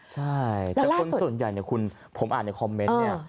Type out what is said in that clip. ใช่แต่คนส่วนใหญ่ผมอ่านในคอมเมนต์นี่